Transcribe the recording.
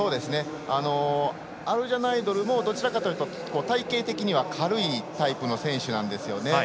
アルジャナイドルもどちらかというと体形的には軽いタイプの選手なんですよね。